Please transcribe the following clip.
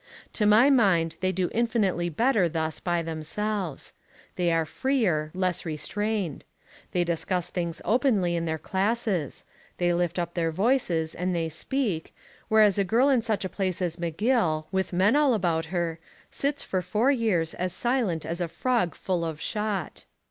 To my mind, they do infinitely better thus by themselves. They are freer, less restrained. They discuss things openly in their classes; they lift up their voices, and they speak, whereas a girl in such a place as McGill, with men all about her, sits for four years as silent as a frog full of shot.